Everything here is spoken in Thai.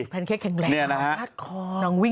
แพนเค้กแข็งแรงพัดคอน้องวิ้งนี่นะฮะ